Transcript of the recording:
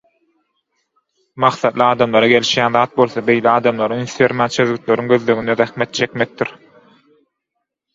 Maksatly adamlara gelişýän zat bolsa beýle adamlara üns bermän çözgütleriň gözleginde zähmet çekmekdir.